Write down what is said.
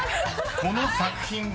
［この作品は？］